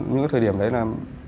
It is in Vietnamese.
những thời điểm đấy là